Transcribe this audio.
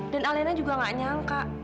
dan alena juga gak nyangka